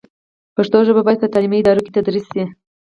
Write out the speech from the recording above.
پښتو ژبه باید په تعلیمي ادارو کې تدریس شي.